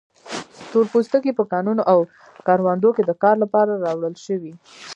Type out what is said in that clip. تور پوستکي په کانونو او کروندو کې د کار لپاره راوړل شوي.